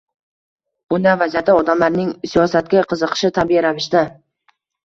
Bunday vaziyatda odamlarning siyosatga qiziqishi tabiiy ravishda